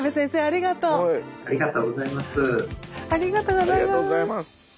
ありがとうございます。